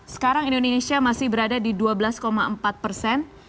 sekarang indonesia masih berada di dua belas empat persen